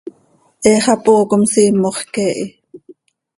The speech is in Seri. He xapoo com simox quee hi.